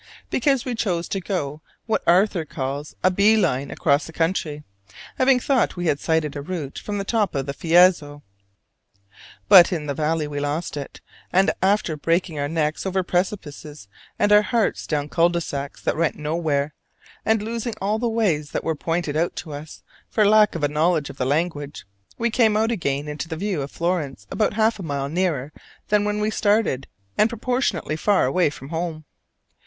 because we chose to go what Arthur calls "a bee line across country," having thought we had sighted a route from the top of Fiesole. But in the valley we lost it, and after breaking our necks over precipices and our hearts down cul de sacs that led nowhere, and losing all the ways that were pointed out to us, for lack of a knowledge of the language, we came out again into view of Florence about half a mile nearer than when we started and proportionately far away from home.